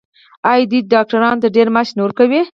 آیا دوی ډاکټرانو ته ډیر معاش نه ورکوي؟